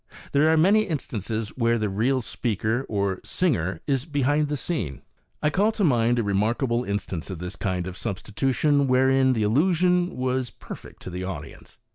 There are many instances where the real speaker or singer is " behind the scene." I call to mind a remarkable in stance of this kind of substitution, wherein the illusion was per fect to the audience.